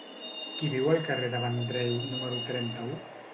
Qui viu al carrer de Vendrell número trenta-u?